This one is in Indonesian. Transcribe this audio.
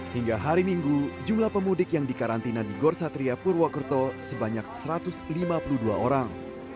hingga hari minggu jumlah pemudik yang dikarantina di gorsatria purwokerto sebanyak satu ratus lima puluh dua orang